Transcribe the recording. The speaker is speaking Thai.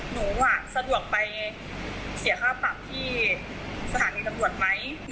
หนูสะดวกไปเสียค่าปรับที่สถานีตำรวจไหม